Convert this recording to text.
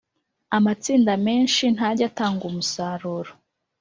amatsinda menshi ntajya atanga umusaruro